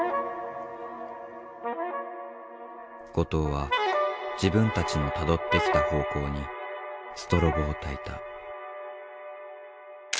後藤は自分たちのたどってきた方向にストロボをたいた。